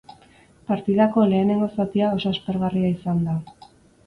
Partidako lehenengo zatia oso aspergarria izan da.